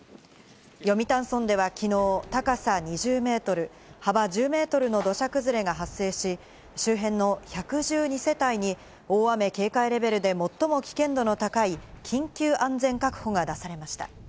読谷村ではきのう、高さ２０ｍ、幅１０ｍの土砂崩れが発生し、周辺の１１２世帯に大雨警戒レベルで最も危険度の高い緊急安全確保が出されました。